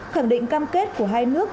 khẳng định cam kết của hai nước